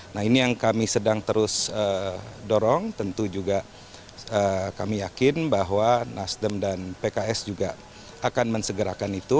nah ini yang kami sedang terus dorong tentu juga kami yakin bahwa nasdem dan pks juga akan mensegerakan itu